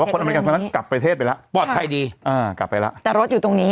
คนอเมริกันคนนั้นกลับประเทศไปแล้วปลอดภัยดีอ่ากลับไปแล้วแต่รถอยู่ตรงนี้